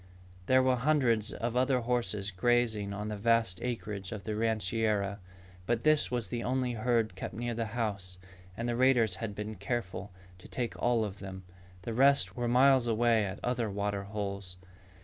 There were hundreds of other horses grazing on the vast acreage of the rancheria. But this was the only herd kept near the house and the raiders had been careful to take all of them. The rest were miles away at other water holes.